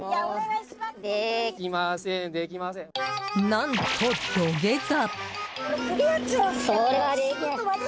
何と、土下座！